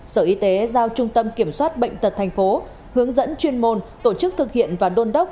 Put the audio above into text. sở y tế giao trung tâm kiểm soát bệnh tật tp hcm hướng dẫn chuyên môn tổ chức thực hiện và đôn đốc